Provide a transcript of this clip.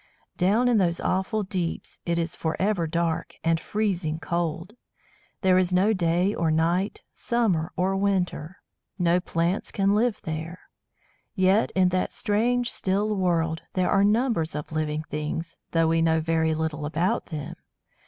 Down in those awful deeps it is for ever dark, and freezing cold, There is no day or night, summer or winter. No plants can live there. Yet in that strange, still world there are numbers of living things, though we know very little about them.